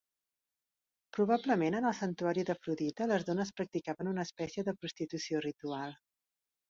Probablement en el santuari d'Afrodita les dones practicaven una espècie de prostitució ritual.